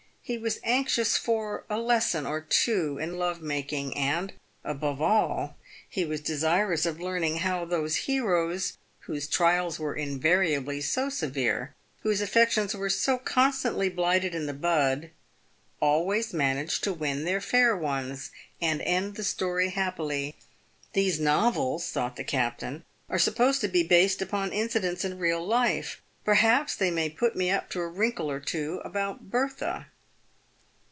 He was anxious for a lesson or two in love making ; and, above all, he was desirous of learning how those heroes, whose trials were invariably so severe, whose affections were so con stantly blighted in the bud, always managed to win their fair ones, and end the story happily. " These novels," thought the captain, " are supposed to be based upon incidents in real life ; perhaps they may put me up to a wrinkle or two about Bertha."